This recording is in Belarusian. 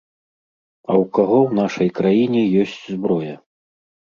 А ў каго ў нашай краіне ёсць зброя?